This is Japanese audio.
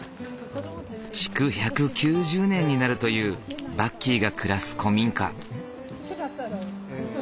築１９０年になるというバッキーが暮らす古民家。